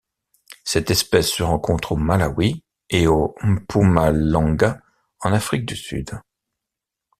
Cette espèce se rencontre au Malawi et au Mpumalanga en Afrique du Sud.